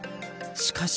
しかし。